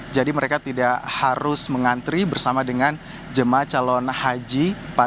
jadi mereka tidak harus mengantri bersama dengan jemaah calon haji